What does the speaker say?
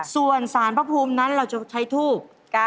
ส่วนสารพระภูมินั้นเราจะใช้ทูบ